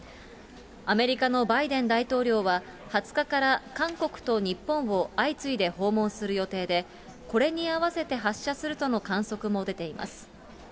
アメリカのバイデン大統領は２０日から韓国と日本を相次いで訪問する予定で、これに合わせて発射するとの観測も出ています。